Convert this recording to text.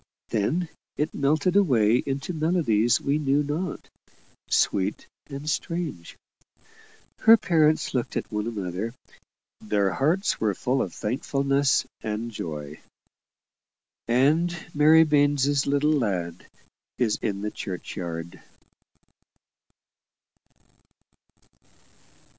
Then it melted away into melodies we knew not sweet and strange. Her parents looked at one another their hearts were full of thankfulness and joy. "And Mary Baines's little lad is in the churchyard."